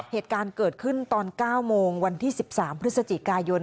เหตุการณ์เกิดขึ้นตอน๙โมงวันที่๑๓พฤศจิกายน